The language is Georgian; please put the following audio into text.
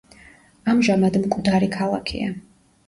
ამჟამად მკვდარი ქალაქია.